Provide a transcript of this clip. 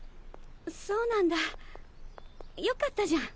そうなんだよかったじゃん。